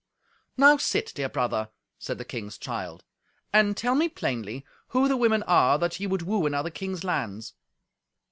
"Now sit, dear brother," said the king's child, "and tell me plainly who the women are that ye would woo in other kings' lands."